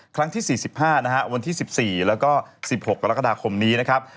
ครั้งที่สี่สิบห้านะฮะวันที่สิบสี่แล้วก็สิบหกแล้วก็ดาคมนี้นะครับ